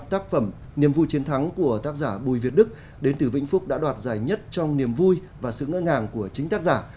tác phẩm niềm vui chiến thắng của tác giả bùi việt đức đến từ vĩnh phúc đã đoạt giải nhất trong niềm vui và sự ngỡ ngàng của chính tác giả